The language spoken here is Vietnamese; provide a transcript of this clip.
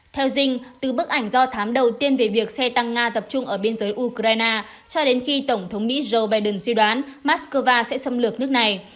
theo dinh từ bức ảnh do thám đầu tiên về việc xe tăng nga tập trung ở biên giới ukraine cho đến khi tổng thống mỹ joe biden dự đoán moscow sẽ xâm lược nước này